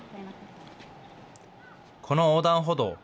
この横断歩道。